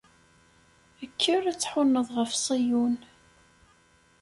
Kker ad tḥunneḍ ɣef Ṣiyun.